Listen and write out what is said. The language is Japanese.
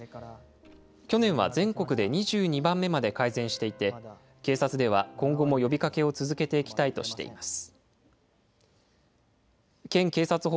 去年は全国で２２番目まで改善していて、警察では今後も呼びかけを続けていきたいとしています。